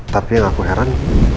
tapi yang aku heran